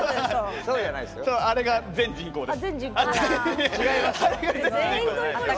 あれが全人口です。